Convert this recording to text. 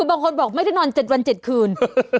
บางคนบอกไม่ได้นอน๗วัน๗คืน